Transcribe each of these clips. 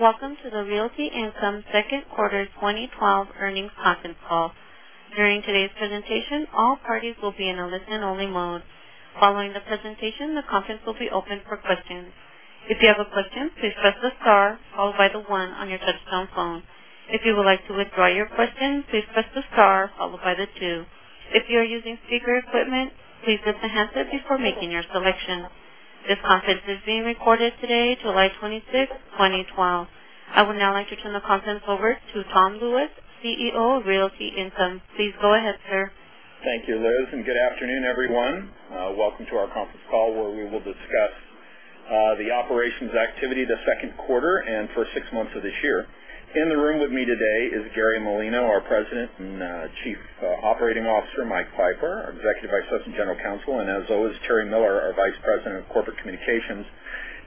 Welcome to the Realty Income second quarter 2012 earnings conference call. During today's presentation, all parties will be in a listen-only mode. Following the presentation, the conference will be open for questions. If you have a question, please press the star followed by the one on your touch-tone phone. If you would like to withdraw your question, please press the star followed by the two. If you are using speaker equipment, please press the hashtag before making your selection. This conference is being recorded today, July 26th, 2012. I would now like to turn the conference over to Tom Lewis, CEO of Realty Income. Please go ahead, sir. Thank you, Liz. Good afternoon, everyone. Welcome to our conference call where we will discuss the operations activity the second quarter and first six months of this year. In the room with me today is Gary Malino, our President and Chief Operating Officer, Mike Pfeiffer, our Executive Vice President, General Counsel, and as always, Terry Miller, our Vice President of Corporate Communications.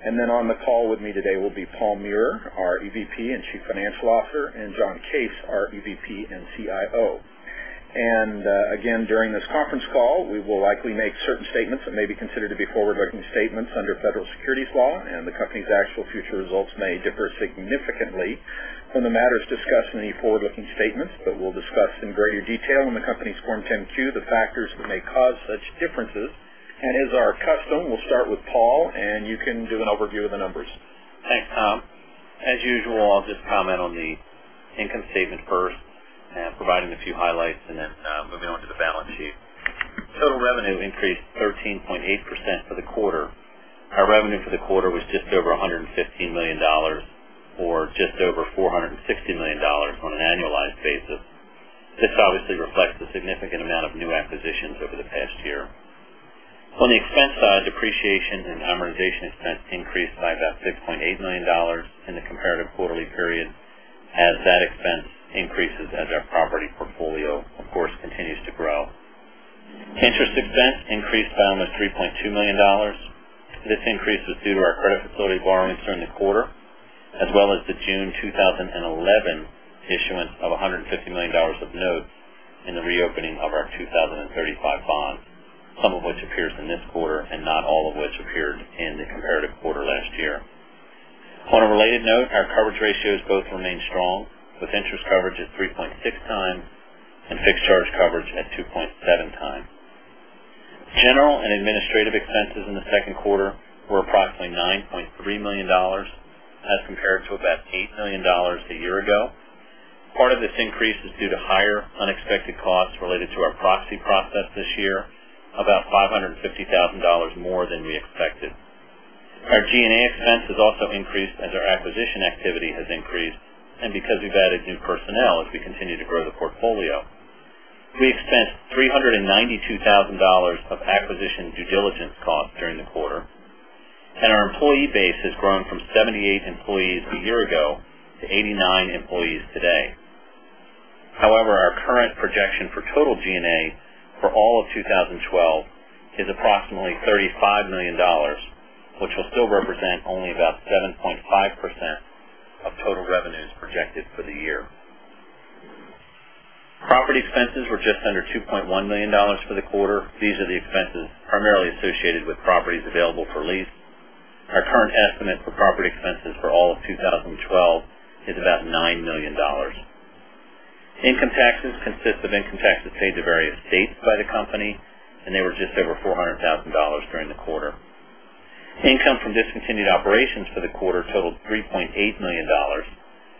On the call with me today will be Paul Meurer, our EVP and Chief Financial Officer, and John Case, our EVP and CIO. During this conference call, we will likely make certain statements that may be considered to be forward-looking statements under federal securities law, the company's actual future results may differ significantly from the matters discussed in the forward-looking statements that we'll discuss in greater detail in the company's Form 10-Q, the factors that may cause such differences. As our custom, we'll start with Paul, and you can do an overview of the numbers. Thanks, Tom. As usual, I'll just comment on the income statement first, providing a few highlights, moving on to the balance sheet. Total revenue increased 13.8% for the quarter. Our revenue for the quarter was just over $115 million, or just over $460 million on an annualized basis. This obviously reflects the significant amount of new acquisitions over the past year. On the expense side, depreciation and amortization expense increased by about $6.8 million in the comparative quarterly period as that expense increases as our property portfolio, of course, continues to grow. Interest expense increased by almost $3.2 million. This increase was due to our credit facility borrowings during the quarter, as well as the June 2011 issuance of $150 million of notes in the reopening of our 2035 bond, some of which appears in this quarter and not all of which appeared in the comparative quarter last year. On a related note, our coverage ratios both remain strong, with interest coverage at 3.6 times and fixed charge coverage at 2.7 times. General and administrative expenses in the second quarter were approximately $9.3 million, as compared to about $8 million a year ago. Part of this increase is due to higher unexpected costs related to our proxy process this year, about $550,000 more than we expected. Our G&A expenses also increased as our acquisition activity has increased and because we've added new personnel as we continue to grow the portfolio. We spent $392,000 of acquisition due diligence costs during the quarter, and our employee base has grown from 78 employees a year ago to 89 employees today. However, our current projection for total G&A for all of 2012 is approximately $35 million, which will still represent only about 7.5% of total revenues projected for the year. Property expenses were just under $2.1 million for the quarter. These are the expenses primarily associated with properties available for lease. Our current estimate for property expenses for all of 2012 is about $9 million. Income taxes consist of income taxes paid to various states by the company, and they were just over $400,000 during the quarter. Income from discontinued operations for the quarter totaled $3.8 million.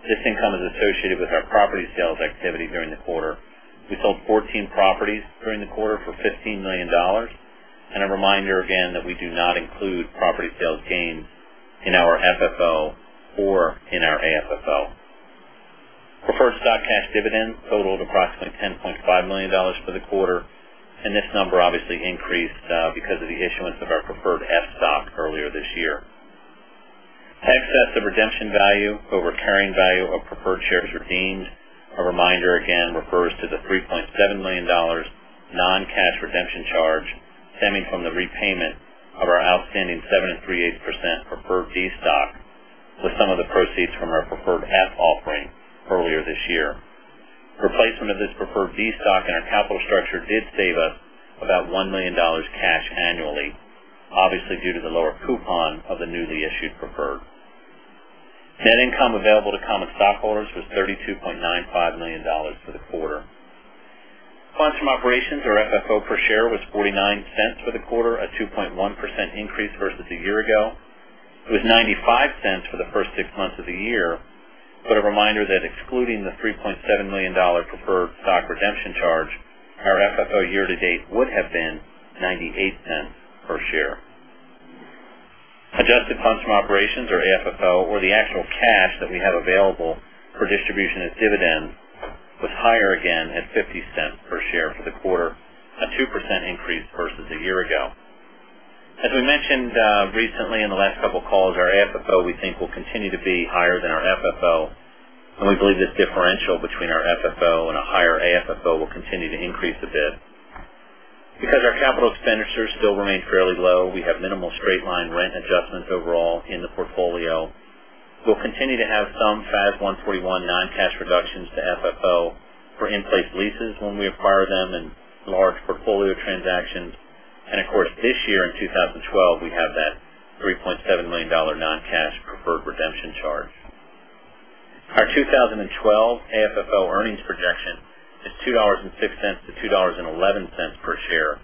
This income is associated with our property sales activity during the quarter. We sold 14 properties during the quarter for $15 million. A reminder again that we do not include property sales gains in our FFO or in our AFFO. Preferred stock cash dividends totaled approximately $10.5 million for the quarter, and this number obviously increased because of the issuance of our preferred F stock earlier this year. Tax assets of redemption value over carrying value of preferred shares redeemed, a reminder again, refers to the $3.7 million non-cash redemption charge stemming from the repayment of our outstanding 7.38% preferred B stock with some of the proceeds from our preferred F offering earlier this year. Replacement of this preferred B stock in our capital structure did save us about $1 million cash annually, obviously due to the lower coupon of the newly issued preferred. Net income available to common stockholders was $32.95 million for the quarter. Funds from operations or FFO per share was $0.49 for the quarter, a 2.1% increase versus a year ago. It was $0.95 for the first six months of the year, but a reminder that excluding the $3.7 million preferred stock redemption charge, our FFO year-to-date would have been $0.98 per share. Adjusted funds from operations or AFFO or the actual cash that we have available for distribution as dividends was higher again at $0.50 per share for the quarter, a 2% increase versus a year ago. As we mentioned recently in the last couple of calls, our AFFO, we think, will continue to be higher than our FFO, and we believe this differential between our FFO and a higher AFFO will continue to increase a bit. Because our capital expenditures still remain fairly low, we have minimal straight-line rent adjustments overall in the portfolio. We'll continue to have some FAS 141 non-cash reductions to FFO for in-place leases when we acquire them in large portfolio transactions. Of course, this year in 2012, we have that $3.7 million non-cash preferred redemption charge. Our 2012 AFFO earnings projection is $2.06 to $2.11 per share,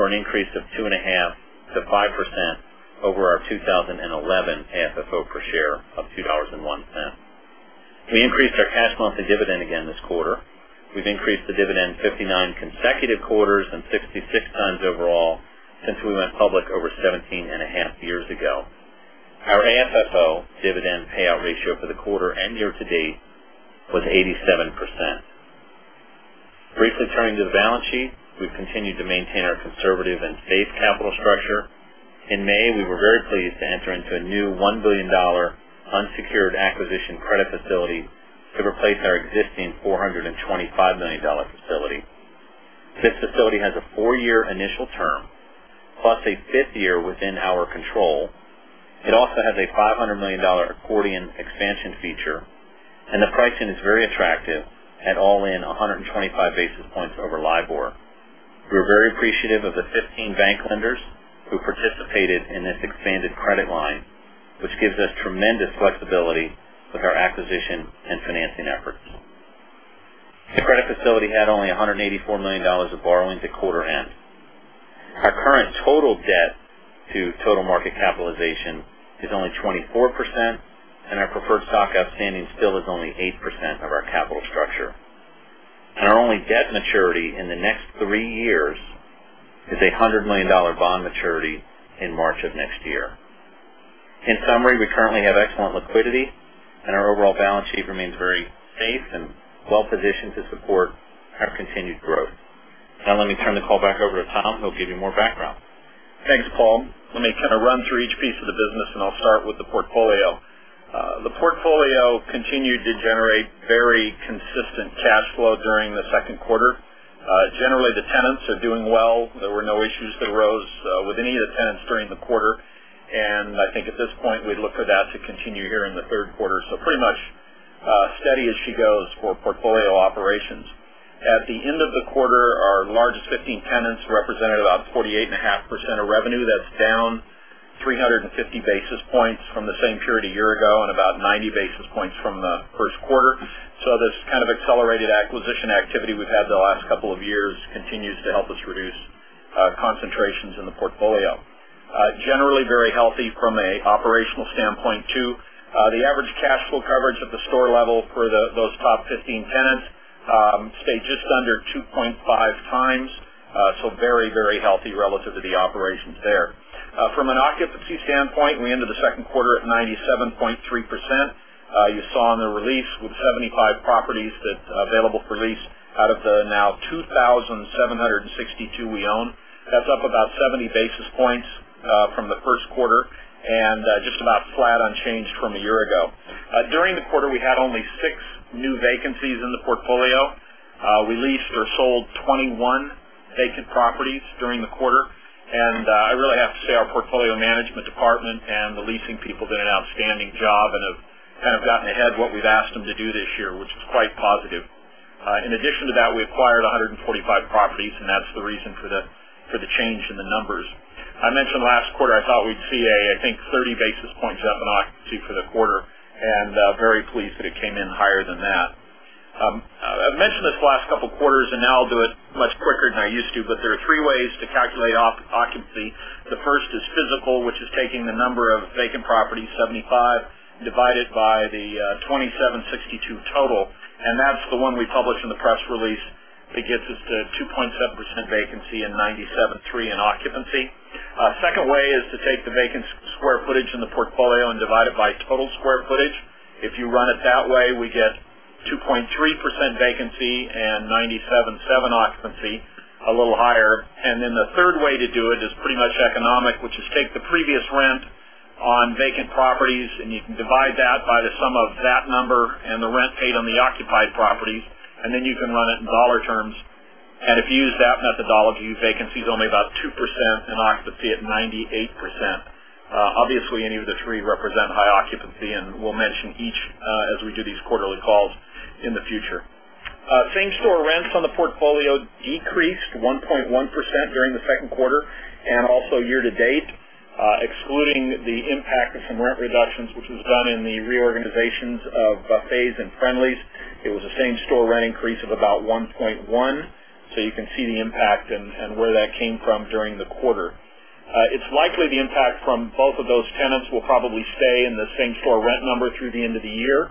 or an increase of 2.5%-5% over our 2011 AFFO per share of $2.01. We increased our cash monthly dividend again this quarter. We've increased the dividend 59 consecutive quarters and 66 times overall since we went public over 17 and a half years ago. Our AFFO dividend payout ratio for the quarter and year-to-date was 87%. Turning to the balance sheet, we've continued to maintain our conservative and safe capital structure. In May, we were very pleased to enter into a new $1 billion unsecured acquisition credit facility to replace our existing $425 million facility. This facility has a four-year initial term, plus a fifth year within our control. It also has a $500 million accordion expansion feature. The pricing is very attractive at all in 125 basis points over LIBOR. We were very appreciative of the 15 bank lenders who participated in this expanded credit line, which gives us tremendous flexibility with our acquisition and financing efforts. The credit facility had only $184 million of borrowings at quarter end. Our current total debt to total market capitalization is only 24%, and our preferred stock outstanding still is only 8% of our capital structure. Our only debt maturity in the next three years is $100 million bond maturity in March of next year. In summary, we currently have excellent liquidity, and our overall balance sheet remains very safe and well-positioned to support our continued growth. Now, let me turn the call back over to Tom, who'll give you more background. Thanks, Paul. Let me kind of run through each piece of the business. I'll start with the portfolio. The portfolio continued to generate very consistent cash flow during the second quarter. Generally, the tenants are doing well. There were no issues that arose with any of the tenants during the quarter, and I think at this point, we'd look for that to continue here in the third quarter. Pretty much steady as she goes for portfolio operations. At the end of the quarter, our largest 15 tenants represented about 48.5% of revenue. That's down 350 basis points from the same period a year ago and about 90 basis points from the first quarter. This kind of accelerated acquisition activity we've had the last couple of years continues to help us reduce concentrations in the portfolio. Generally very healthy from an operational standpoint, too. The average cash flow coverage at the store level for those top 15 tenants stayed just under 2.5 times. Very healthy relative to the operations there. From an occupancy standpoint, we ended the second quarter at 97.3%. You saw in the release with 75 properties that are available for lease out of the now 2,762 we own. That's up about 70 basis points from the first quarter and just about flat unchanged from a year ago. During the quarter, we had only six new vacancies in the portfolio. We leased or sold 21 vacant properties during the quarter. I really have to say, our portfolio management department and the leasing people did an outstanding job and have kind of gotten ahead what we've asked them to do this year, which is quite positive. In addition to that, we acquired 145 properties, that's the reason for the change in the numbers. I mentioned last quarter, I thought we'd see a, I think, 30 basis points up in occupancy for the quarter, very pleased that it came in higher than that. I've mentioned this the last couple of quarters, now I'll do it much quicker than I used to, there are three ways to calculate occupancy. The first is physical, which is taking the number of vacant properties, 75, divided by the 2,762 total, that's the one we publish in the press release that gets us to 2.7% vacancy and 97.3 in occupancy. Second way is to take the vacant square footage in the portfolio and divide it by total square footage. If you run it that way, we get 2.3% vacancy and 97.7 occupancy, a little higher. The third way to do it is pretty much economic, which is take the previous rent on vacant properties, you can divide that by the sum of that number and the rent paid on the occupied property, then you can run it in dollar terms. If you use that methodology, vacancy is only about 2% and occupancy at 98%. Obviously, any of the three represent high occupancy, and we'll mention each as we do these quarterly calls in the future. Same-store rents on the portfolio decreased 1.1% during the second quarter and also year-to-date excluding the impact from rent reductions, which was done in the reorganizations of Buffets and Friendly's. It was a same-store rent increase of about 1.1%, you can see the impact and where that came from during the quarter. It's likely the impact from both of those tenants will probably stay in the same-store rent number through the end of the year,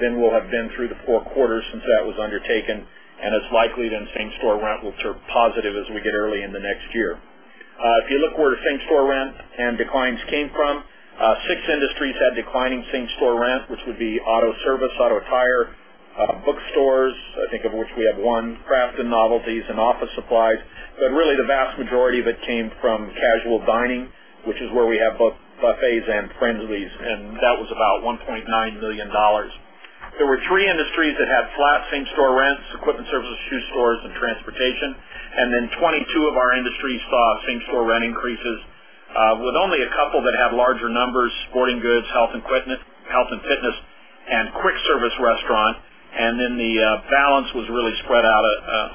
then we'll have been through the four quarters since that was undertaken, it's likely then same-store rent will turn positive as we get early in the next year. If you look where the same-store rent and declines came from, six industries had declining same-store rent, which would be auto service, auto tire, bookstores, I think of which we have one, craft and novelties, and office supplies. Really, the vast majority of it came from casual dining, which is where we have both Buffets and Friendly's, that was about $1.9 million. There were three industries that had flat same-store rents, equipment services, shoe stores, and transportation. 22 of our industries saw same-store rent increases with only a couple that have larger numbers, sporting goods, health and fitness, and quick service restaurant. The balance was really spread out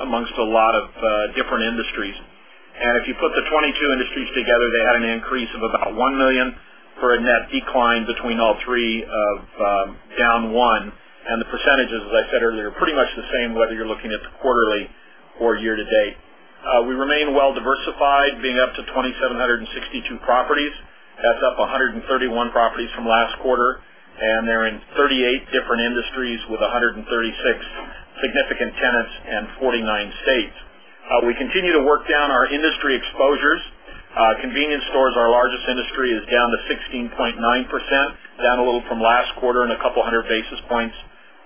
amongst a lot of different industries. If you put the 22 industries together, they had an increase of about $1 million for a net decline between all three of down $1. The percentages, as I said earlier, are pretty much the same whether you're looking at the quarterly or year-to-date. We remain well-diversified, being up to 2,762 properties. That's up 131 properties from last quarter, and they're in 38 different industries with 136 significant tenants in 49 states. We continue to work down our industry exposures. Convenience stores, our largest industry, is down to 16.9%, down a little from last quarter and a couple of hundred basis points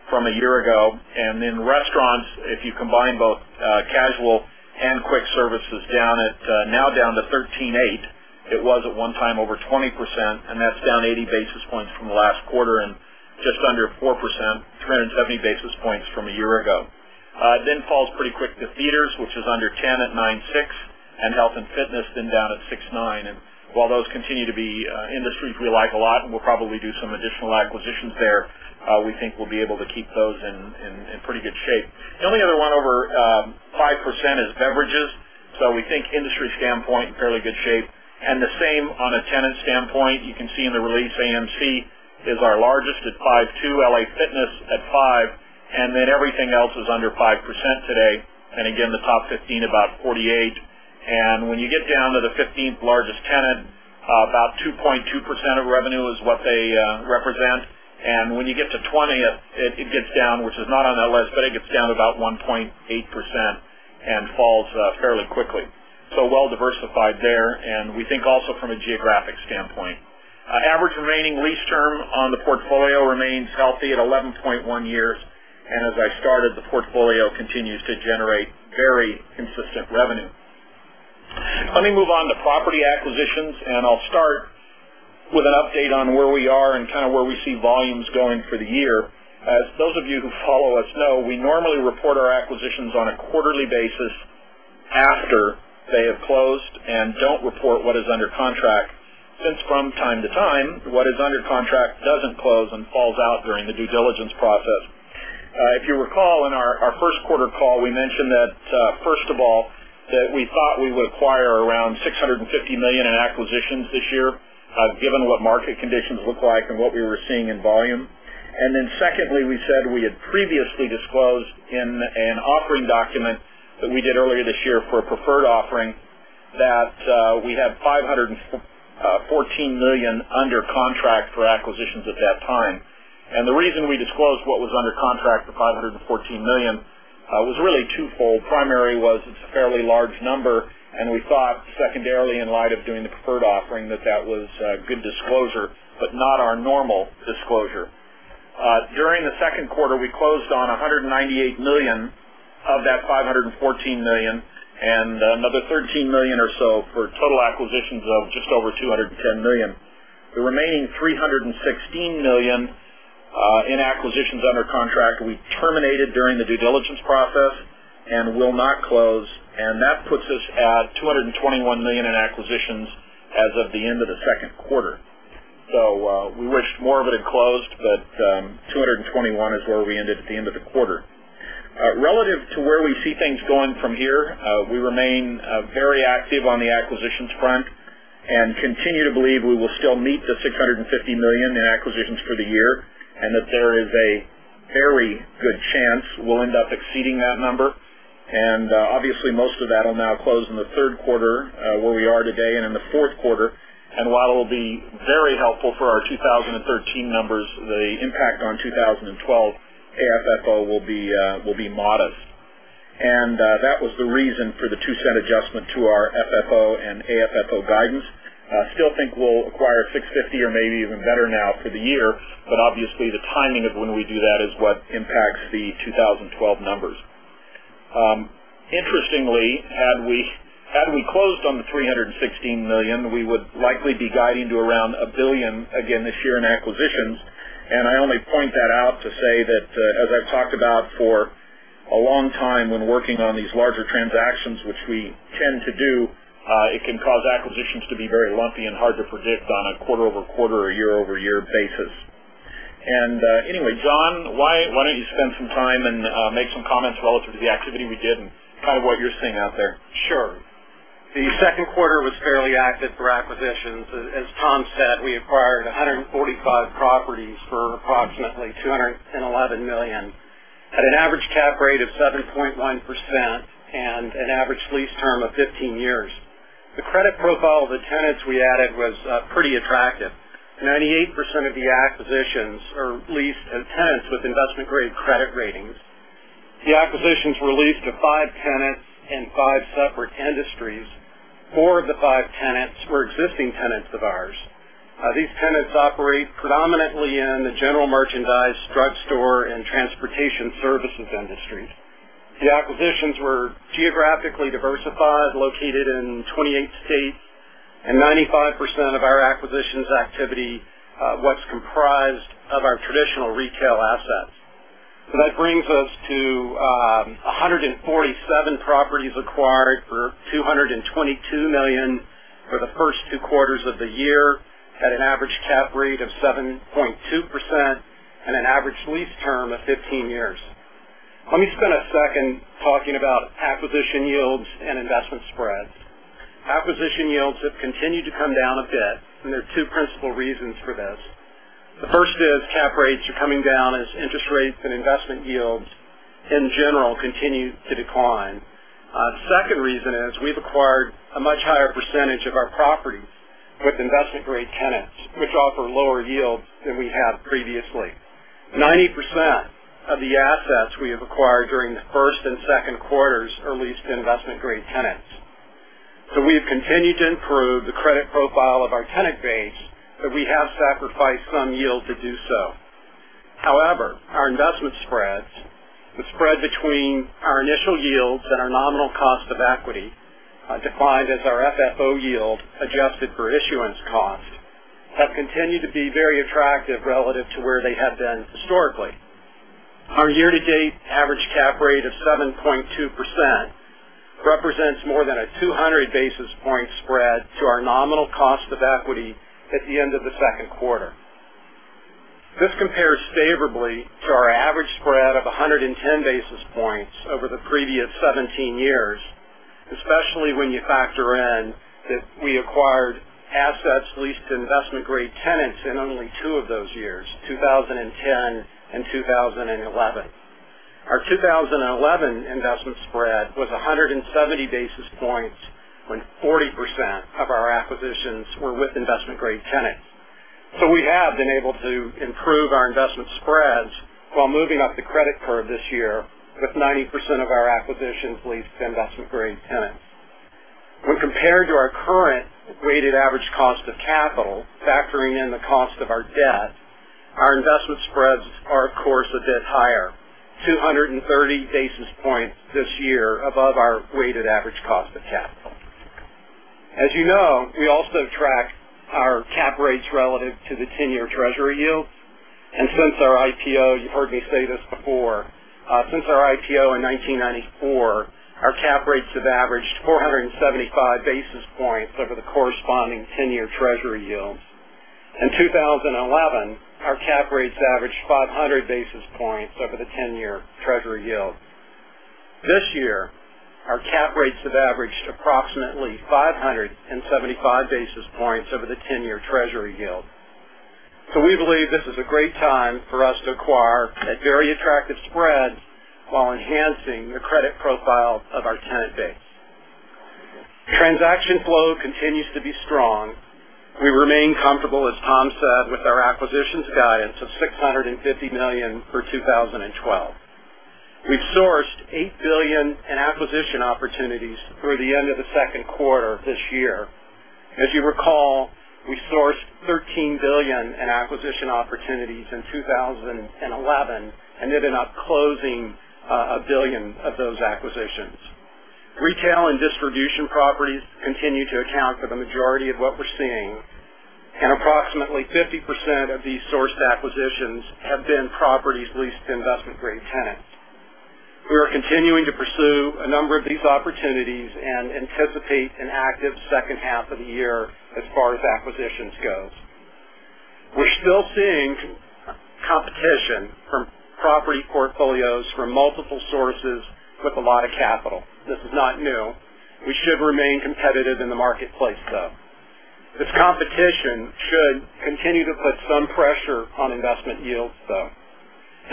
from a year ago. Restaurants, if you combine both casual and quick service, is now down to 13.8%. It was at one time over 20%, and that's down 80 basis points from last quarter and just under 4%, 270 basis points from a year ago. Falls pretty quick to theaters, which is under 10% at 9.6%, and health and fitness then down at 6.9%. While those continue to be industries we like a lot, and we'll probably do some additional acquisitions there, we think we'll be able to keep those in pretty good shape. The only other one over 5% is beverages. We think industry standpoint, in fairly good shape. The same on a tenant standpoint. You can see in the release, AMC is our largest at 5.2%, LA Fitness at 5.0%, and then everything else is under 5% today. Again, the top 15, about 48%. When you get down to the 15th largest tenant, about 2.2% of revenue is what they represent. When you get to 20th, it gets down, which is not on the list, but it gets down to about 1.8% and falls fairly quickly. Well-diversified there. We think also from a geographic standpoint. Average remaining lease term on the portfolio remains healthy at 11.1 years. As I started, the portfolio continues to generate very consistent revenue. Let me move on to property acquisitions, and I'll start with an update on where we are and where we see volumes going for the year. As those of you who follow us know, we normally report our acquisitions on a quarterly basis after they have closed and don't report what is under contract, since from time to time, what is under contract doesn't close and falls out during the due diligence process. If you recall, in our first quarter call, we mentioned that, first of all, that we thought we would acquire around $650 million in acquisitions this year, given what market conditions look like and what we were seeing in volume. Secondly, we said we had previously disclosed in an offering document that we did earlier this year for a preferred offering that we had $514 million under contract for acquisitions at that time. The reason we disclosed what was under contract for $514 million was really twofold. Primary was it's a fairly large number. We thought secondarily, in light of doing the preferred offering, that that was good disclosure, but not our normal disclosure. During the second quarter, we closed on $198 million of that $514 million and another $13 million or so for total acquisitions of just over $210 million. The remaining $316 million in acquisitions under contract we terminated during the due diligence process and will not close. That puts us at $221 million in acquisitions as of the end of the second quarter. We wish more of it had closed, but $221 million is where we ended at the end of the quarter. Relative to where we see things going from here, we remain very active on the acquisitions front and continue to believe we will still meet the $650 million in acquisitions for the year, and that there is a very good chance we'll end up exceeding that number. Obviously, most of that'll now close in the third quarter, where we are today, and in the fourth quarter. While it'll be very helpful for our 2013 numbers, the impact on 2012 AFFO will be modest. That was the reason for the $0.02 adjustment to our FFO and AFFO guidance. Still think we'll acquire $650 million or maybe even better now for the year, but obviously, the timing of when we do that is what impacts the 2012 numbers. Interestingly, had we closed on the $316 million, we would likely be guiding to around a billion again this year in acquisitions. I only point that out to say that, as I've talked about for a long time when working on these larger transactions, which we tend to do, it can cause acquisitions to be very lumpy and hard to predict on a quarter-over-quarter or year-over-year basis. Anyway, John, why don't you spend some time and make some comments relative to the activity we did and what you're seeing out there? Sure. The second quarter was fairly active for acquisitions. As Tom said, we acquired 145 properties for approximately $211 million at an average cap rate of 7.1% and an average lease term of 15 years. The credit profile of the tenants we added was pretty attractive. 98% of the acquisitions are leased to tenants with investment-grade credit ratings. The acquisitions were leased to five tenants in five separate industries. Four of the five tenants were existing tenants of ours. These tenants operate predominantly in the general merchandise, drugstore, and transportation services industries. The acquisitions were geographically diversified, located in 28 states, and 95% of our acquisitions activity was comprised of our traditional retail assets. That brings us to 147 properties acquired for $222 million for the first two quarters of the year, at an average cap rate of 7.2% and an average lease term of 15 years. Let me spend a second talking about acquisition yields and investment spreads. Acquisition yields have continued to come down a bit. There are two principal reasons for this. The first is cap rates are coming down as interest rates and investment yields, in general, continue to decline. Second reason is we've acquired a much higher percentage of our properties with investment-grade tenants, which offer lower yields than we have previously. 90% of the assets we have acquired during the first and second quarters are leased to investment-grade tenants. We have continued to improve the credit profile of our tenant base, but we have sacrificed some yield to do so. However, our investment spreads, the spread between our initial yields and our nominal cost of equity, defined as our FFO yield adjusted for issuance costs, have continued to be very attractive relative to where they have been historically. Our year-to-date average cap rate of 7.2% represents more than a 200-basis-point spread to our nominal cost of equity at the end of the second quarter. This compares favorably to our average spread of 110 basis points over the previous 17 years, especially when you factor in that we acquired assets leased to investment-grade tenants in only two of those years, 2010 and 2011. Our 2011 investment spread was 170 basis points when 40% of our acquisitions were with investment-grade tenants. We have been able to improve our investment spreads while moving up the credit curve this year, with 90% of our acquisitions leased to investment-grade tenants. When compared to our current weighted average cost of capital, factoring in the cost of our debt, our investment spreads are, of course, a bit higher, 230 basis points this year above our weighted average cost of capital. As you know, we also track our cap rates relative to the 10-year Treasury yield. Since our IPO, you've heard me say this before, since our IPO in 1994, our cap rates have averaged 475 basis points over the corresponding 10-year Treasury yields. In 2011, our cap rates averaged 500 basis points over the 10-year Treasury yield. This year, our cap rates have averaged approximately 575 basis points over the 10-year Treasury yield. We believe this is a great time for us to acquire at very attractive spreads while enhancing the credit profile of our tenant base. Transaction flow continues to be strong. We remain comfortable, as Tom said, with our acquisitions guidance of $650 million for 2012. We've sourced $8 billion in acquisition opportunities through the end of the second quarter this year. As you recall, we sourced $13 billion in acquisition opportunities in 2011 and ended up closing $1 billion of those acquisitions. Retail and distribution properties continue to account for the majority of what we're seeing. Approximately 50% of these sourced acquisitions have been properties leased to investment-grade tenants. We are continuing to pursue a number of these opportunities and anticipate an active second half of the year as far as acquisitions go. We're still seeing competition from property portfolios from multiple sources with a lot of capital. This is not new. We should remain competitive in the marketplace, though. This competition should continue to put some pressure on investment yields, though.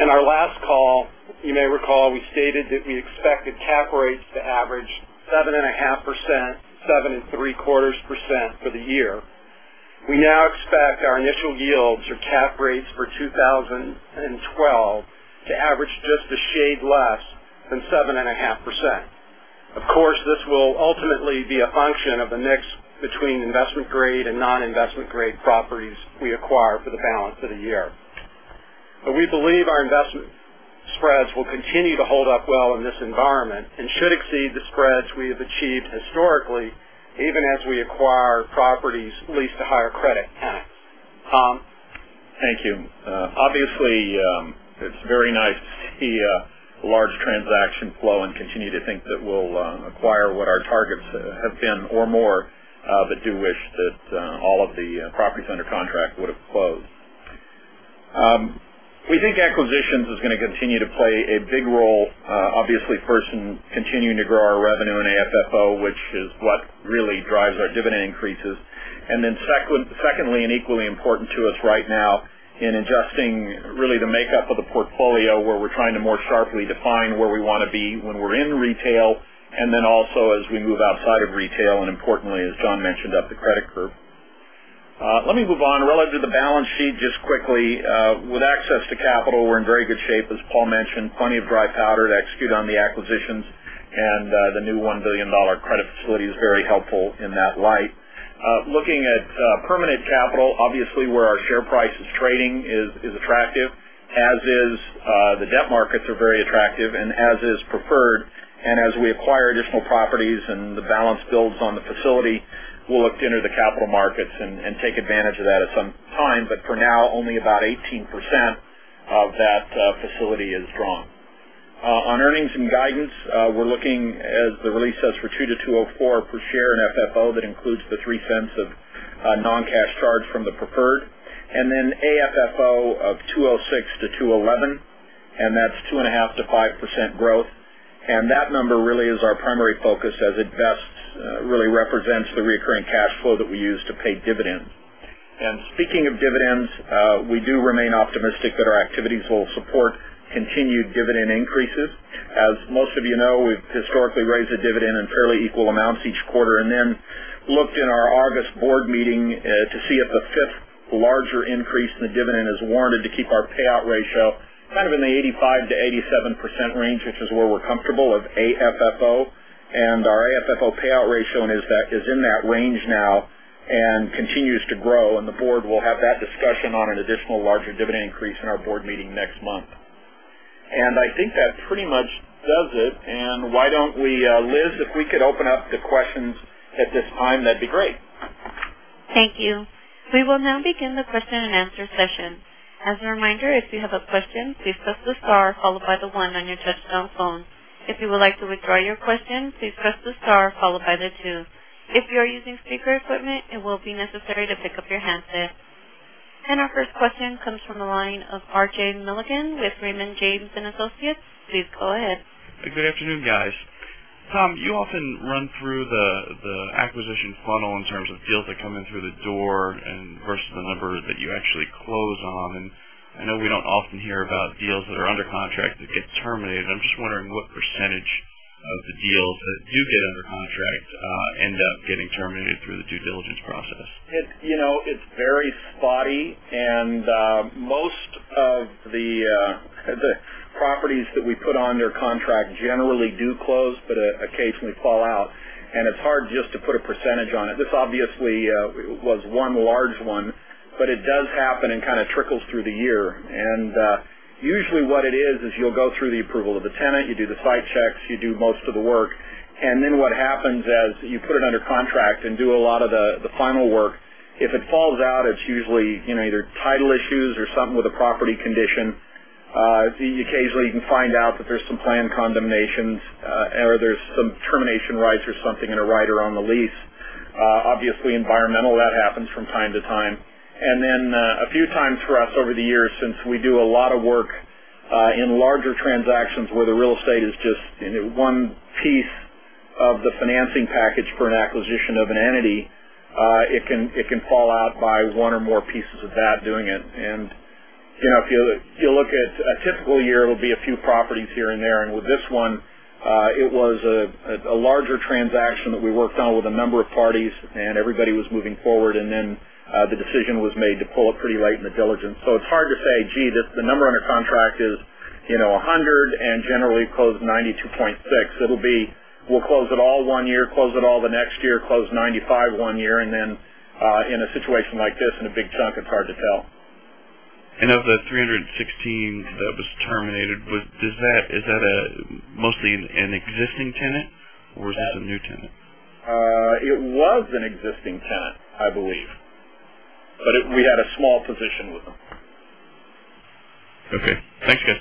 In our last call, you may recall we stated that we expected cap rates to average 7.5%, 7.75% for the year. We now expect our initial yields or cap rates for 2012 to average just a shade less than 7.5%. Of course, this will ultimately be a function of the mix between investment-grade and non-investment-grade properties we acquire for the balance of the year. We believe our investment spreads will continue to hold up well in this environment and should exceed the spreads we have achieved historically, even as we acquire properties leased to higher credit tenants. Tom? Thank you. Obviously, it's very nice to see a large transaction flow and continue to think that we'll acquire what our targets have been or more, do wish that all of the properties under contract would have closed. We think acquisitions is going to continue to play a big role, obviously, first in continuing to grow our revenue and AFFO, which is what really drives our dividend increases. Secondly, and equally important to us right now in adjusting really the makeup of the portfolio, where we're trying to more sharply define where we want to be when we're in retail, and then also as we move outside of retail, and importantly, as John mentioned, up the credit curve. Let me move on. Relative to the balance sheet, just quickly, with access to capital, we're in very good shape, as Paul mentioned, plenty of dry powder to execute on the acquisitions, and the new $1 billion credit facility is very helpful in that light. Looking at permanent capital, obviously, where our share price is trading is attractive, as is the debt markets are very attractive and as is preferred. As we acquire additional properties and the balance builds on the facility, we'll look to enter the capital markets and take advantage of that at some time. For now, only about 18% of that facility is drawn. On earnings and guidance, we're looking, as the release says, for $2 to $2.04 per share in FFO. That includes the $0.03 of non-cash charge from the preferred, and then AFFO of $2.06 to $2.11, and that's 2.5%-5% growth. That number really is our primary focus as it best really represents the recurring cash flow that we use to pay dividends. Speaking of dividends, we do remain optimistic that our activities will support continued dividend increases. As most of you know, we've historically raised the dividend in fairly equal amounts each quarter, and then looked in our August board meeting to see if a fifth larger increase in the dividend is warranted to keep our payout ratio kind of in the 85%-87% range, which is where we're comfortable with AFFO. Our AFFO payout ratio is in that range now and continues to grow, and the board will have that discussion on an additional larger dividend increase in our board meeting next month. I think that pretty much does it. Why don't we, Liz, if we could open up to questions at this time, that'd be great. Thank you. We will now begin the question-and-answer session. As a reminder, if you have a question, please press the star followed by the one on your touchtone phone. If you would like to withdraw your question, please press the star followed by the two. If you are using speaker equipment, it will be necessary to pick up your handset. Our first question comes from the line of R.J. Milligan with Raymond James & Associates. Please go ahead. Good afternoon, guys. Tom, you often run through the acquisition funnel in terms of deals that come in through the door versus the number that you actually close on. I know we don't often hear about deals that are under contract that get terminated. I'm just wondering what % of the deals that do get under contract end up getting terminated through the due diligence process. It's very spotty, most of the properties that we put under contract generally do close, but occasionally fall out, and it's hard just to put a % on it. This obviously was one large one, but it does happen and kind of trickles through the year. Usually, what it is you'll go through the approval of the tenant, you do the site checks, you do most of the work, and then what happens as you put it under contract and do a lot of the final work, if it falls out, it's usually either title issues or something with the property condition. Occasionally, you can find out that there's some planned condemnations, or there's some termination rights or something in a rider on the lease. Obviously, environmental, that happens from time to time. a few times for us over the years, since we do a lot of work in larger transactions where the real estate is just one piece of the financing package for an acquisition of an entity, it can fall out by one or more pieces of that doing it. If you look at a typical year, it'll be a few properties here and there. With this one, it was a larger transaction that we worked on with a number of parties, and everybody was moving forward, then the decision was made to pull it pretty late in the diligence. It's hard to say, gee, the number under contract is 100, and generally we close 92.6. we'll close it all one year, close it all the next year, close 95 one year, in a situation like this, in a big chunk, it's hard to tell. Of the 316 that was terminated, is that mostly an existing tenant, or is that a new tenant? It was an existing tenant, I believe. We had a small position with them. Okay. Thanks, guys.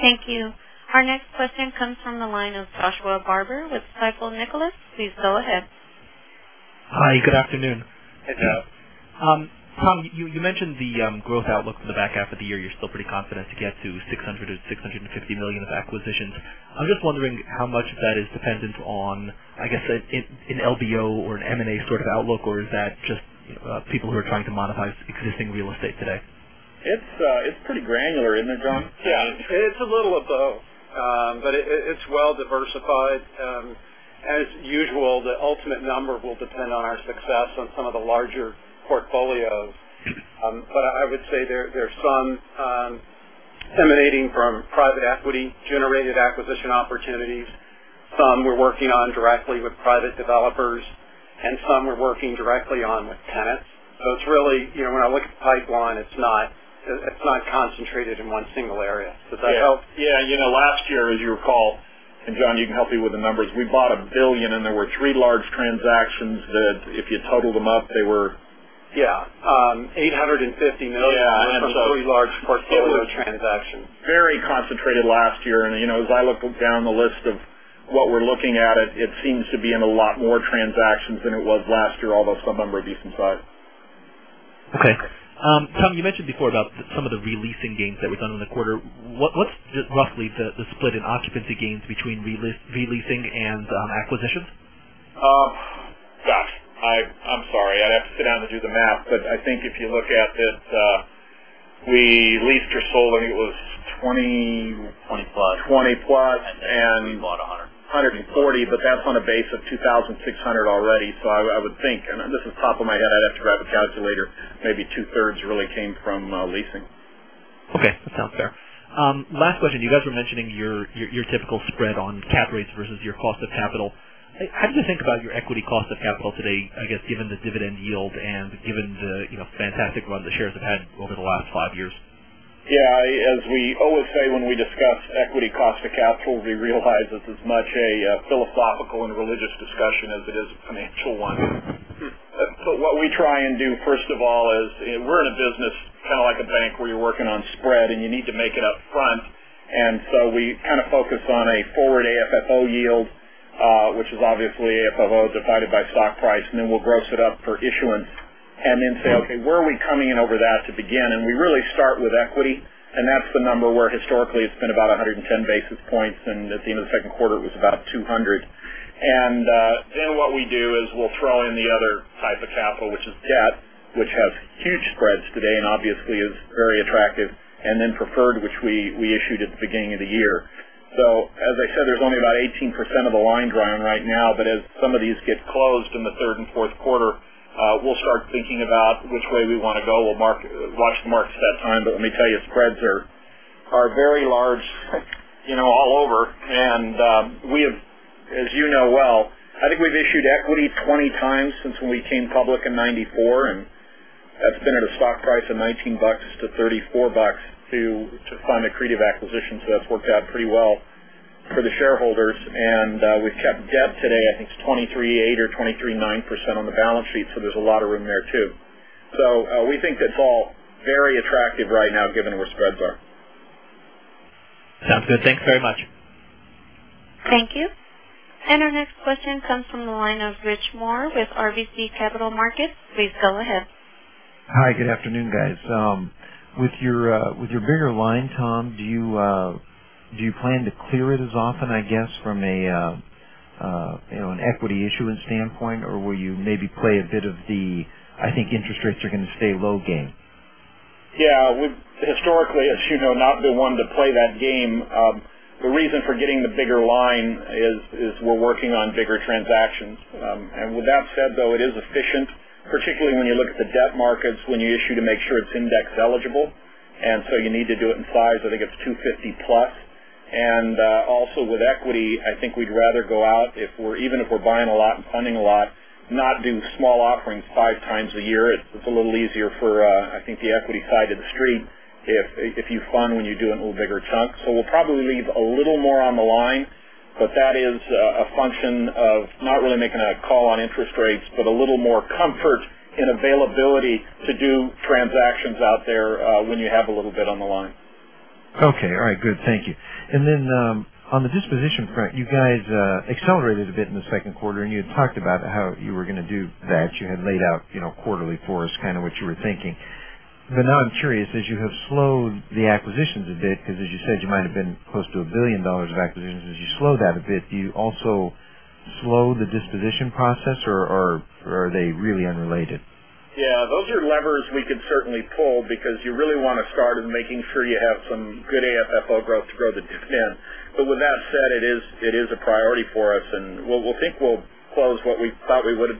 Thank you. Our next question comes from the line of Joshua Barber with Stifel Nicolaus. Please go ahead. Hi, good afternoon. Hey, Josh. Tom, you mentioned the growth outlook for the back half of the year. You're still pretty confident to get to $600 million or $650 million of acquisitions. I'm just wondering how much of that is dependent on, I guess, an LBO or an M&A sort of outlook, or is that just people who are trying to monetize existing real estate today? It's pretty granular, isn't it, John? Yeah. It's a little of both. It's well-diversified. As usual, the ultimate number will depend on our success on some of the larger portfolios. I would say there's some emanating from private equity-generated acquisition opportunities. Some we're working on directly with private developers, and some we're working directly on with tenants. It's really, when I look at the pipeline, it's not concentrated in one single area. Does that help? Yeah. Last year, as you recall, John, you can help me with the numbers, we bought $1 billion. There were three large transactions that if you totaled them up. Yeah, $850 million. Yeah. From three large portfolio transactions. Very concentrated last year. As I look down the list of what we're looking at, it seems to be in a lot more transactions than it was last year, although some number of decent size. Okay. Tom, you mentioned before about some of the re-leasing gains that were done in the quarter. What's roughly the split in occupancy gains between re-leasing and acquisitions? Gosh, I'm sorry. I'd have to sit down to do the math, but I think if you look at it, we leased or sold, I think it was 20- 20-plus 20-plus, and- I think we bought 100. 140, but that's on a base of 2,600 already. I would think, and this is top of my head, I'd have to grab a calculator, maybe two-thirds really came from leasing. Okay. That sounds fair. Last question. You guys were mentioning your typical spread on cap rates versus your cost of capital. How do you think about your equity cost of capital today, I guess, given the dividend yield and given the fantastic run the shares have had over the last five years? Yeah. As we always say when we discuss equity cost of capital, we realize it's as much a philosophical and a religious discussion as it is a financial one. What we try and do, first of all, is we're in a business kind of like a bank where you're working on spread, and you need to make it up front. We kind of focus on a forward AFFO yield, which is obviously AFFO divided by stock price, then we'll gross it up for issuance and then say, okay, where are we coming in over that to begin? We really start with equity, and that's the number where historically it's been about 110 basis points, and at the end of the second quarter, it was about 200. What we do is we'll throw in the other type of capital, which is debt, which has huge spreads today and obviously is very attractive, and then preferred, which we issued at the beginning of the year. As I said, there's only about 18% of the line drawing right now, but as some of these get closed in the third and fourth quarter, we'll start thinking about which way we want to go. We'll watch the marks that time. Let me tell you, spreads are very large all over. As you know well, I think we've issued equity 20 times since we came public in 1994, and that's been at a stock price of $19 to $34 to fund accretive acquisitions. That's worked out pretty well for the shareholders. We've kept debt today, I think to 23.8% or 23.9% on the balance sheet. There's a lot of room there, too. We think it's all very attractive right now, given where spreads are. Sounds good. Thanks very much. Thank you. Our next question comes from the line of Rich Moore with RBC Capital Markets. Please go ahead. Hi. Good afternoon, guys. With your bigger line, Tom, do you plan to clear it as often, I guess, from an equity issuance standpoint? Or will you maybe play a bit of the, I think interest rates are going to stay low game? Yeah. We've historically, as you know, not been one to play that game. The reason for getting the bigger line is we're working on bigger transactions. With that said, though, it is efficient, particularly when you look at the debt markets, when you issue to make sure it's index eligible, and so you need to do it in size. I think it's 250+. Also with equity, I think we'd rather go out even if we're buying a lot and funding a lot, not do small offerings five times a year. It's a little easier for I think the equity side of the street if you fund when you do it in a little bigger chunk. We'll probably leave a little more on the line. That is a function of not really making a call on interest rates, but a little more comfort in availability to do transactions out there when you have a little bit on the line. Okay. All right, good. Thank you. On the disposition front, you guys accelerated a bit in the second quarter, and you had talked about how you were going to do that. You had laid out quarterly for us kind of what you were thinking. I'm curious, as you have slowed the acquisitions a bit, because as you said, you might have been close to $1 billion of acquisitions. As you slow that a bit, do you also slow the disposition process, or are they really unrelated? Those are levers we could certainly pull because you really want to start with making sure you have some good AFFO growth to grow the dividend. With that said, it is a priority for us, and we think we'll close what we thought we would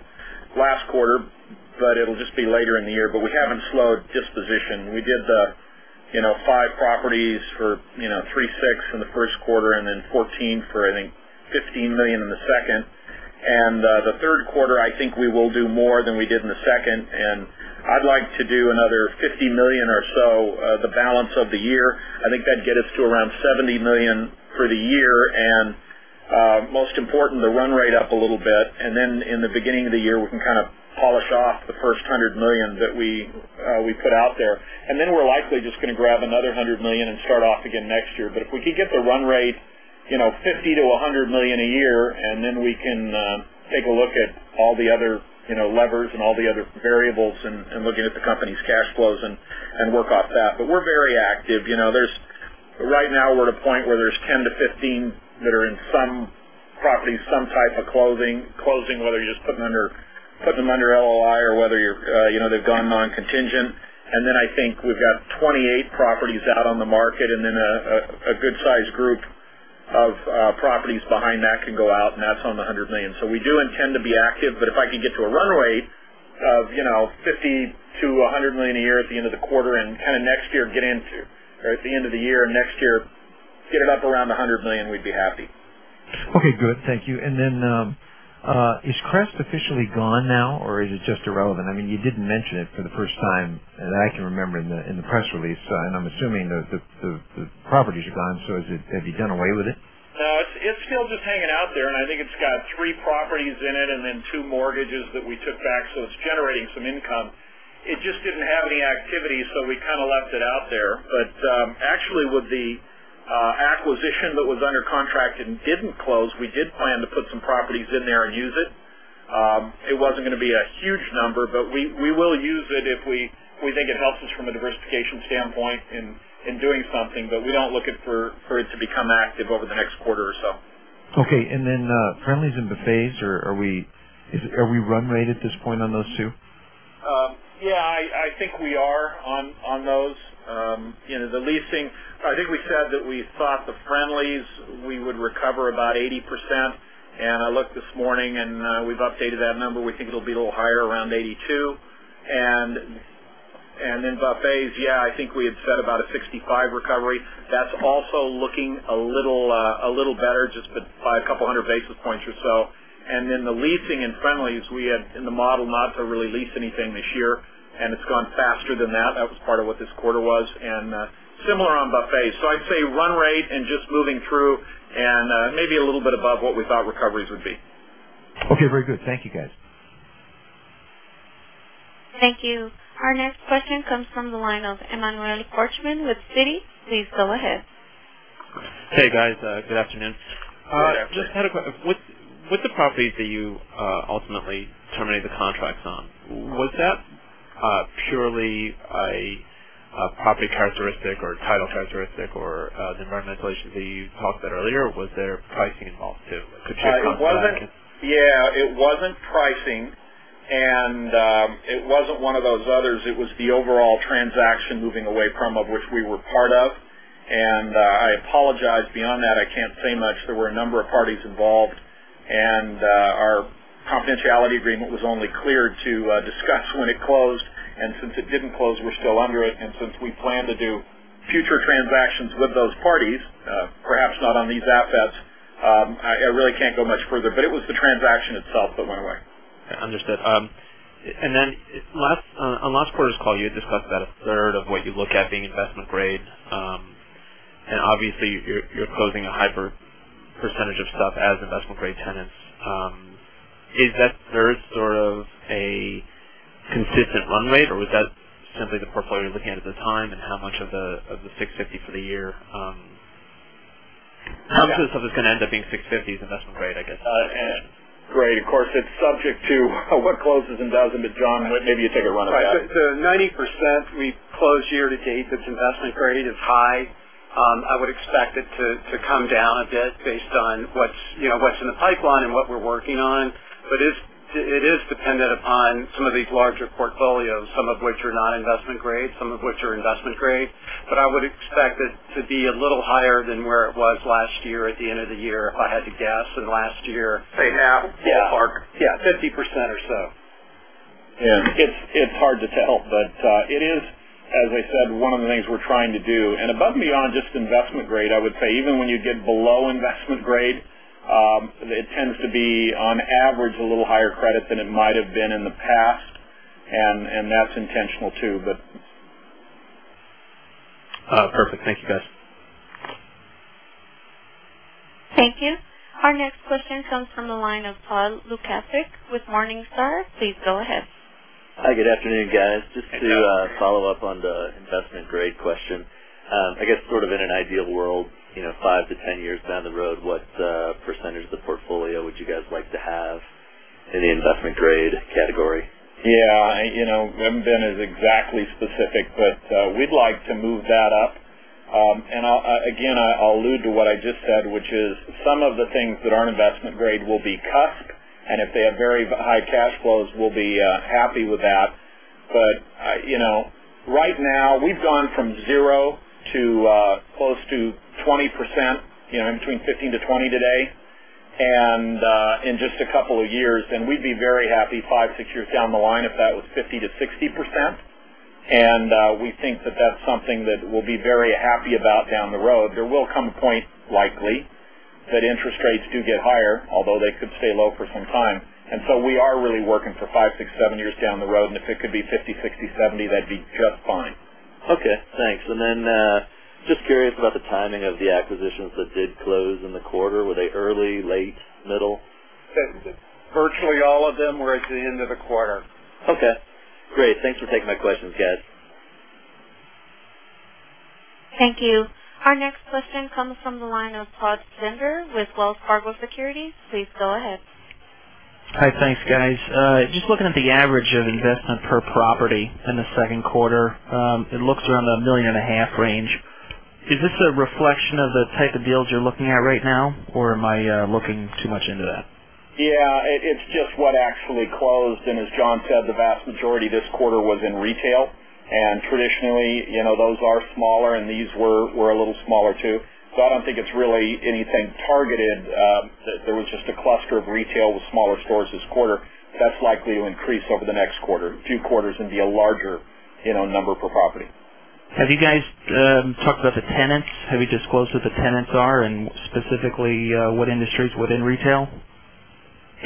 last quarter, but it'll just be later in the year. We haven't slowed disposition. We did the five properties for three six in the first quarter and then 14 for, I think, $15 million in the second. The third quarter, I think we will do more than we did in the second. I'd like to do another $50 million or so the balance of the year. I think that'd get us to around $70 million for the year. Most important, the run rate up a little bit. In the beginning of the year, we can kind of polish off the first $100 million that we put out there, we're likely just going to grab another $100 million and start off again next year. If we could get the run rate $50 million to $100 million a year, we can take a look at all the other levers and all the other variables and looking at the company's cash flows and work off that. We're very active. Right now we're at a point where there's 10 to 15 that are in some properties, some type of closing, whether you just put them under LOI or whether they've gone non-contingent. I think we've got 28 properties out on the market, a good size group of properties behind that can go out, and that's on the $100 million. We do intend to be active. If I could get to a run rate of $50 million-$100 million a year at the end of the quarter and kind of next year get it up around $100 million, we'd be happy. Okay, good. Thank you. Is Crest officially gone now, or is it just irrelevant? I mean, you didn't mention it for the first time, as I can remember in the press release. I'm assuming the properties are gone. Have you done away with it? No, it's still just hanging out there. I think it's got three properties in it and then two mortgages that we took back. It's generating some income. It just didn't have any activity, so we kind of left it out there. Actually, with the acquisition that was under contract and didn't close, we did plan to put some properties in there and use it. It wasn't going to be a huge number, but we will use it if we think it helps us from a diversification standpoint in doing something. We're not looking for it to become active over the next quarter or so. Okay. Friendly's and Buffets, are we run rate at this point on those two? I think we are on those. The leasing, I think we said that we thought the Friendly's, we would recover about 80%. I looked this morning, and we've updated that number. We think it'll be a little higher, around 82. Then Buffets, I think we had said about a 65 recovery. That's also looking a little better, just by a couple of hundred basis points or so. Then the leasing in Friendly's, we had in the model not to really lease anything this year, and it's gone faster than that. That was part of what this quarter was and similar on Buffets. I'd say run rate and just moving through and maybe a little bit above what we thought recoveries would be. Very good. Thank you, guys. Thank you. Our next question comes from the line of Emmanuel Korchman with Citi. Please go ahead. Hey, guys. Good afternoon. Good afternoon. Had a question. With the properties that you ultimately terminated the contracts on, was that purely a property characteristic or title characteristic, or the environmental issues that you talked about earlier, or was there pricing involved too? Could you comment on that? It wasn't pricing. It wasn't one of those others. It was the overall transaction moving away from of which we were part of. I apologize. Beyond that, I can't say much. There were a number of parties involved. Our confidentiality agreement was only cleared to discuss when it closed. Since it didn't close, we're still under it. Since we plan to do future transactions with those parties, perhaps not on these assets, I really can't go much further. It was the transaction itself that went away. Understood. Then on last quarter's call, you had discussed about a third of what you look at being investment grade. Obviously, you're closing a high percentage of stuff as investment-grade tenants. Is that third sort of a consistent run rate, or was that simply the portfolio you're looking at the time, and how much of the $650 for the year- Yeah. How much of this is going to end up being $650 as investment grade, I guess? Great. Of course, it's subject to what closes and doesn't, but John, maybe you take a run at that. Right. The 90% we close year to date that's investment grade is high. I would expect it to come down a bit based on what's in the pipeline and what we're working on. It is dependent upon some of these larger portfolios, some of which are non-investment grade, some of which are investment grade. I would expect it to be a little higher than where it was last year at the end of the year, if I had to guess, than last year. Right now? Yeah. It's lower. Yeah, 50% or so. Yeah. It's hard to tell, but it is, as I said, one of the things we're trying to do. Above and beyond just investment grade, I would say even when you get below investment grade, it tends to be, on average, a little higher credit than it might've been in the past, and that's intentional, too. Perfect. Thank you, guys. Thank you. Our next question comes from the line of Todd Lukasik with Morningstar. Please go ahead. Hi. Good afternoon, guys. Good afternoon. Just to follow up on the investment-grade question. I guess sort of in an ideal world, 5-10 years down the road, what percentage of the portfolio would you guys like to have in the investment-grade category? Yeah. I haven't been as exactly specific. We'd like to move that up. Again, I'll allude to what I just said, which is some of the things that aren't investment-grade will be capped, and if they have very high cash flows, we'll be happy with that. Right now, we've gone from zero to close to 20%, between 15%-20% today. In just a couple of years, we'd be very happy five, six years down the line if that was 50%-60%. We think that that's something that we'll be very happy about down the road. There will come a point, likely, that interest rates do get higher, although they could stay low for some time. We are really working for five, six, seven years down the road, and if it could be 50, 60, 70, that'd be just fine. Okay, thanks. Just curious about the timing of the acquisitions that did close in the quarter. Were they early, late, middle? Virtually all of them were at the end of the quarter. Okay, great. Thanks for taking my questions, guys. Thank you. Our next question comes from the line of Todd Stender with Wells Fargo Securities. Please go ahead. Hi. Thanks, guys. Just looking at the average of investment per property in the second quarter, it looks around the million and a half range. Is this a reflection of the type of deals you're looking at right now, or am I looking too much into that? Yeah. It's just what actually closed, as John said, the vast majority this quarter was in retail. Traditionally, those are smaller, and these were a little smaller, too. I don't think it's really anything targeted, that there was just a cluster of retail with smaller stores this quarter. That's likely to increase over the next quarter, few quarters, and be a larger number per property. Have you guys talked about the tenants? Have you disclosed who the tenants are and specifically what industries within retail?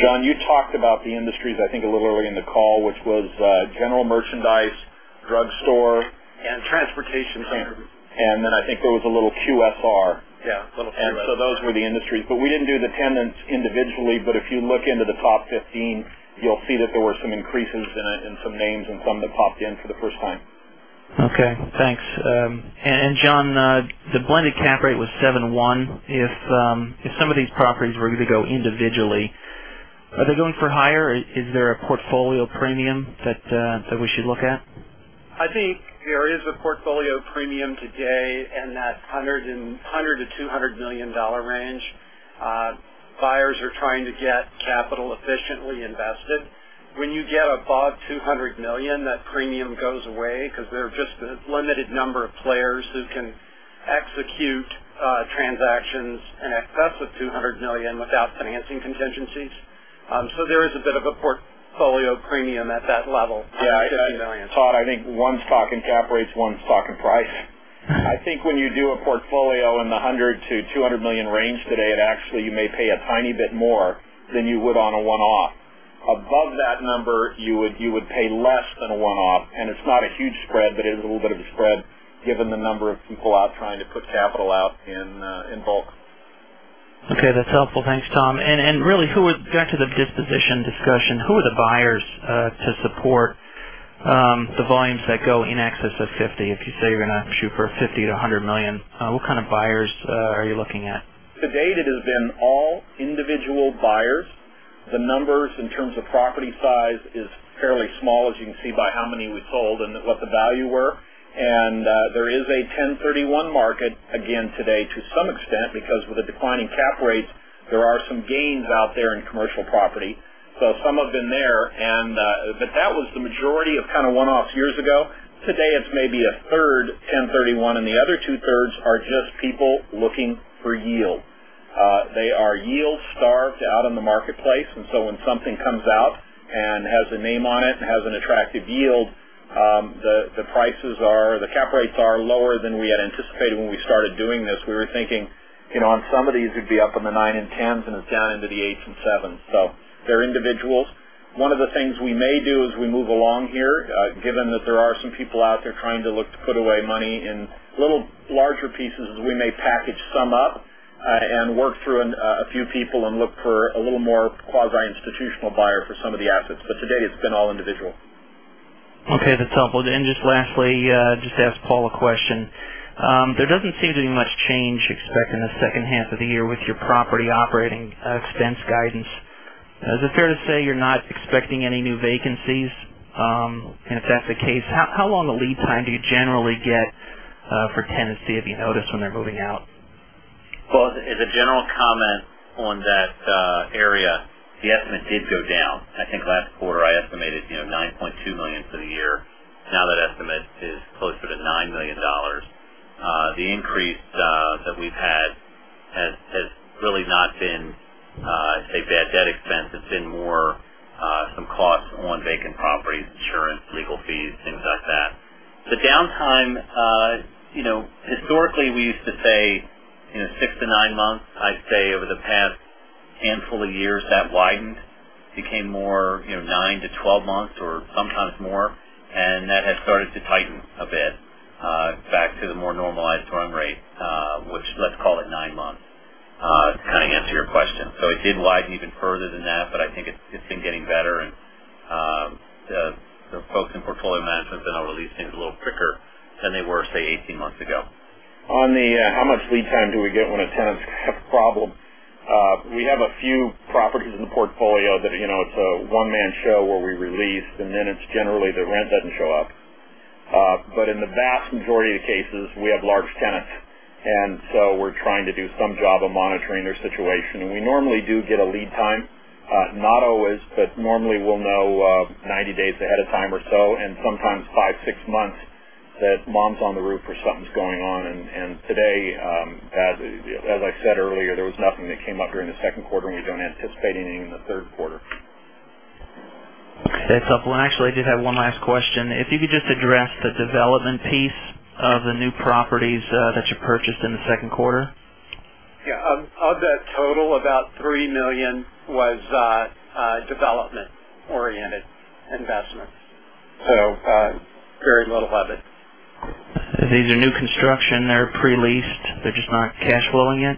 John, you talked about the industries, I think, a little early in the call, which was general merchandise, drug store and transportation centers. I think there was a little QSR. Yeah, a little QSR. Those were the industries. We didn't do the tenants individually, but if you look into the top 15, you'll see that there were some increases in some names and some that popped in for the first time. Okay, thanks. John, the blended cap rate was 7.1%. If some of these properties were going to go individually, are they going for higher? Is there a portfolio premium that we should look at? I think there is a portfolio premium today in that $100 million-$200 million range. Buyers are trying to get capital efficiently invested. When you get above $200 million, that premium goes away because there are just a limited number of players who can execute transactions in excess of $200 million without financing contingencies. There is a bit of a portfolio premium at that level, $150 million. Yeah. Todd, I think one stock in cap rates, one stock in price. I think when you do a portfolio in the $100 million-$200 million range today, it actually, you may pay a tiny bit more than you would on a one-off. Above that number, you would pay less than a one-off, it's not a huge spread, but it is a little bit of a spread given the number of people out trying to put capital out in bulk. Okay, that's helpful. Thanks, Tom. Really, back to the disposition discussion, who are the buyers to support the volumes that go in excess of 50? If you say you're going to shoot for $50 million-$100 million, what kind of buyers are you looking at? To date, it has been all individual buyers. The numbers in terms of property size is fairly small, as you can see by how many we sold and what the value were. There is a 1031 market again today to some extent because with the declining cap rates, there are some gains out there in commercial property. Some have been there. That was the majority of kind of one-off years ago. Today, it's maybe a third 1031, the other two-thirds are just people looking for yield. They are yield-starved out in the marketplace, when something comes out and has a name on it and has an attractive yield, the cap rates are lower than we had anticipated when we started doing this. We were thinking on some of these, it'd be up in the 9 and 10s, it's down into the 8s and 7s. They're individuals. One of the things we may do as we move along here, given that there are some people out there trying to look to put away money in little larger pieces, is we may package some up and work through a few people and look for a little more quasi-institutional buyer for some of the assets. To date, it's been all individual. Okay, that's helpful. Just lastly, just ask Paul a question. There doesn't seem to be much change expected in the second half of the year with your property operating expense guidance. Is it fair to say you're not expecting any new vacancies? If that's the case, how long a lead time do you generally get for tenancy if you notice when they're moving out? Well, as a general comment on that area, the estimate did go down. I think last quarter I estimated $9.2 million for the year. Now that estimate is closer to $9 million. The increase that we've had has really not been, I'd say bad debt expense. It's been more some costs on vacant properties, insurance, legal fees, things like that. The downtime, historically we used to say six to nine months. I'd say over the past handful of years, that widened, became more 9 to 12 months or sometimes more, that has started to tighten a bit back to the more normalized churn rate, which let's call it nine months, to kind of answer your question. It did widen even further than that, but I think it's been getting better, and the folks in portfolio management have been able to lease things a little quicker than they were, say, 18 months ago. On the how much lead time do we get when tenants have a problem, we have a few properties in the portfolio that it's a one-man show where we release, then it's generally the rent doesn't show up. In the vast majority of cases, we have large tenants, we're trying to do some job of monitoring their situation. We normally do get a lead time. Not always, but normally we'll know 90 days ahead of time or so, and sometimes five, six months that mom's on the roof or something's going on. Today, as I said earlier, there was nothing that came up during the second quarter, we don't anticipate anything in the third quarter. Okay. That's helpful. Actually, I did have one last question. If you could just address the development piece of the new properties that you purchased in the second quarter. Yeah. Of that total, about $3 million was development-oriented investments. Very little of it. These are new construction, they're pre-leased, they're just not cash flowing yet?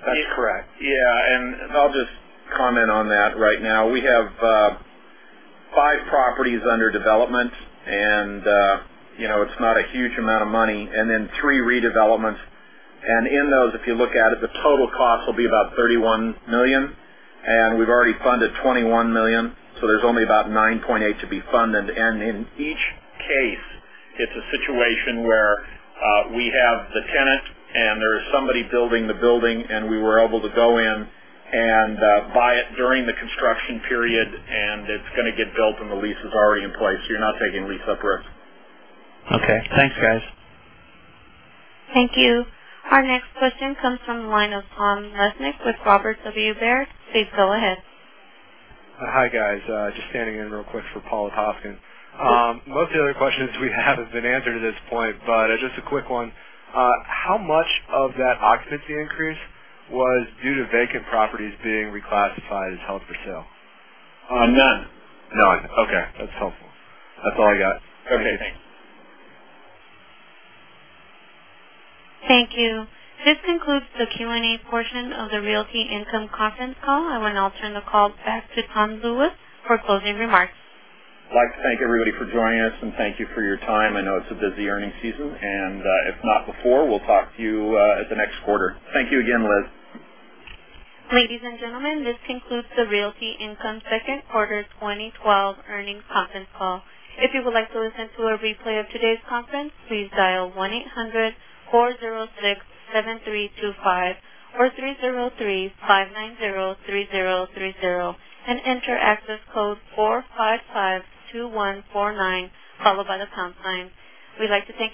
That's correct. Yeah. I'll just comment on that right now. We have five properties under development, and it's not a huge amount of money, and then three redevelopments. In those, if you look at it, the total cost will be about $31 million, and we've already funded $21 million, there's only about $9.8 to be funded. In each case, it's a situation where we have the tenant, and there's somebody building the building, and we were able to go in and buy it during the construction period, and it's going to get built, and the lease is already in place. You're not taking lease-up risk. Okay. Thanks, guys. Thank you. Our next question comes from the line of Tom Lesnick with Robert W. Baird. Please go ahead. Hi, guys. Just standing in real quick for Paula Poskon. Most of the other questions we have have been answered at this point, but just a quick one. How much of that occupancy increase was due to vacant properties being reclassified as held for sale? None. None. Okay. That's helpful. That's all I got. Okay. Thanks. Thank you. This concludes the Q&A portion of the Realty Income conference call. I want to now turn the call back to Tom Lewis for closing remarks. I'd like to thank everybody for joining us, and thank you for your time. I know it's a busy earnings season. If not before, we'll talk to you at the next quarter. Thank you again, Liz. Ladies and gentlemen, this concludes the Realty Income second quarter 2012 earnings conference call. If you would like to listen to a replay of today's conference, please dial 1-800-406-7325 or 303-590-3030 and enter access code 4552149, followed by the pound sign. We'd like to thank you.